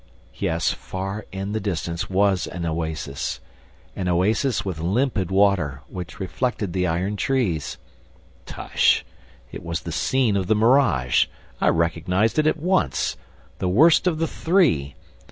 Yes, far in the distance was an oasis ... an oasis with limpid water, which reflected the iron trees! ... Tush, it was the scene of the mirage ... I recognized it at once ... the worst of the three!